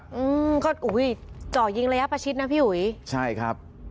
อืมก็อุ้ยเจาะยิงระยะประชิดนะพี่อุ๋ยใช่ครับ